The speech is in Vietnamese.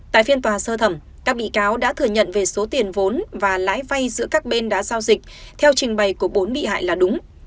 tại phiên tòa sơ thẩm các bị cáo đã thừa nhận về số tiền vốn và lãi vay giữa các bên đã giao dịch theo trình bày của bốn bị hại là đúng